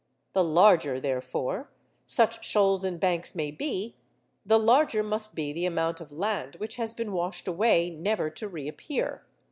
The larger, therefore, such shoals and banks may be, the larger must be the amount of land which has been washed away never to reappear.